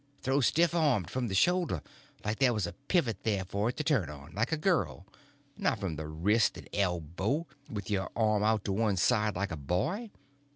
Throw stiff armed from the shoulder, like there was a pivot there for it to turn on, like a girl; not from the wrist and elbow, with your arm out to one side, like a boy.